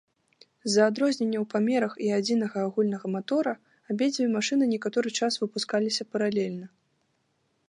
З-за адрознення ў памерах і адзінага агульнага матора абедзве машыны некаторы час выпускаліся паралельна.